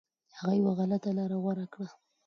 هغه یو غلطه لاره غوره کړه.